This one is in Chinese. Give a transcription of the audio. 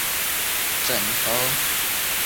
郝氏鼠耳蝠为蝙蝠科鼠耳蝠属的动物。